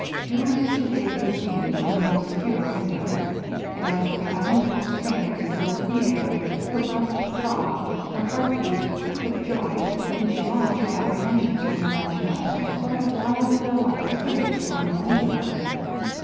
Julia surveyed the scene from an obscure window; and as the triumphal strains filled the air, her breast throbbed; her heart beat quick with joy, and she lost her apprehensions from the marchioness in a sort of wild delight hitherto unknown to her.